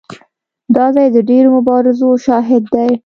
دا ځای د ډېرو مبارزو شاهد دی.